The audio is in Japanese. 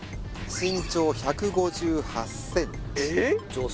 身長１５８ｃｍ女性？